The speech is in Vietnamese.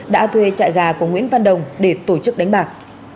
đã thuê trại gà của nguyễn văn đồng để tổ chức đánh bạc